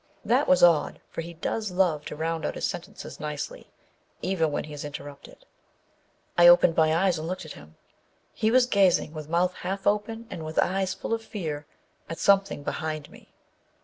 That was odd, for he does love to round out his sentences nicely, even when he is interrupted. I opened my eyes and looked at him. He was gazing, with mouth half open and with eyes full of fear, at something behind me.